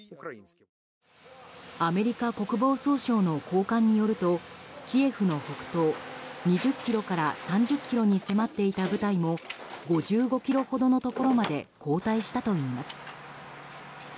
アメリカ国防総省の高官によるとキエフの北東２０ｋｍから３０ｋｍに迫っていた部隊も５５ｋｍほどのところまで後退したといいます。